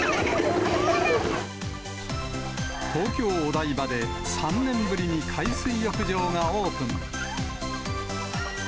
東京・お台場で３年ぶりに海水浴場がオープン。